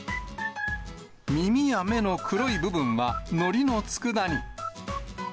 耳や目の黒い部分はのりのつくだ煮。